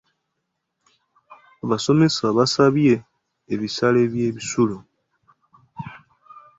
Abasomesa baasabye ebisale by'ebisulo.